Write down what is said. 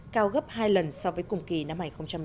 cao gấp hai lần so với cùng kỳ năm hai nghìn một mươi tám